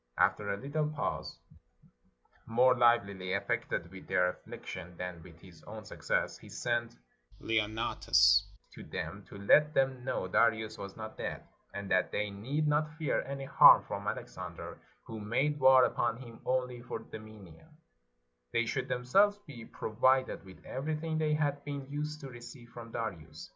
After a little pause, more livelily affected with their affliction than with his own success, he sent Leonnatus to them, to let them know Darius was not dead, and that they need not fear any harm from Alexander, who made war upon him only for dominion; they should themselves be pro vided with everything they had been used to receive from Darius.